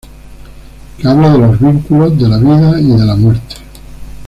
Que habla de los vínculos, de la vida y de la muerte.